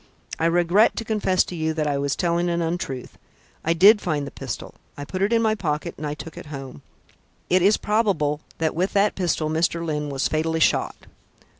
I regret to confess to you that I was telling an untruth. I did find the pistol; I put it in my pocket and I took it home. It is probable that with that pistol Mr. Lyne was fatally shot."